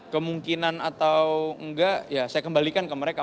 kemungkinan atau enggak ya saya kembalikan ke mereka